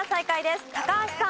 高橋さん。